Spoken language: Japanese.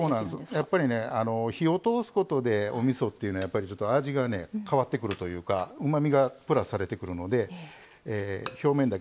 やっぱりね火を通すことでおみそっていうのは味が変わってくるというかうまみがプラスされてくるので表面だけ全部じゃないですけどね